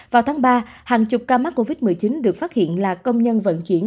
vào tháng ba hàng chục ca mắc covid một mươi chín được phát hiện là công nhân vận chuyển